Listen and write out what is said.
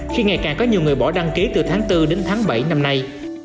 khi ngày càng có nhiều người bỏ đăng ký từ tháng bốn đến tháng bảy năm nay